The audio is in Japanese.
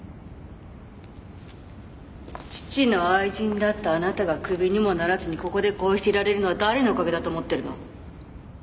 父の愛人だったあなたがクビにもならずにここでこうしていられるのは誰のおかげだと思ってるの？